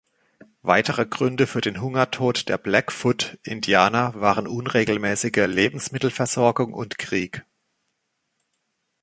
Weitere Gründe für den Hungertod der Blackfoot-Indianer waren unregelmäßige Lebensmittelversorgung und Krieg.